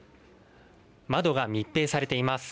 窓が密閉されています。